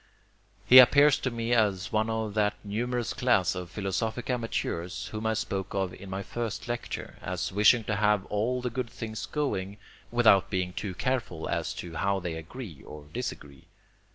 He appears to me as one of that numerous class of philosophic amateurs whom I spoke of in my first lecture, as wishing to have all the good things going, without being too careful as to how they agree or disagree.